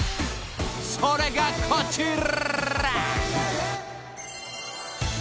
［それがこちら］